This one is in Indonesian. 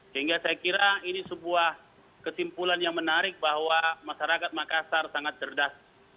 sehingga saya kira ini sebuah kesimpulan yang menarik bahwa masyarakat makassar sangat cerdas